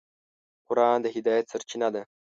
قرآن د هدایت سرچینه ده.